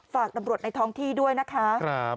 ฝากตำรวจในท้องที่ด้วยนะคะ